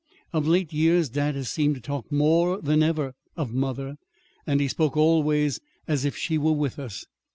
"Of late years, dad has seemed to talk more than ever of mother, and he spoke always as if she were with us.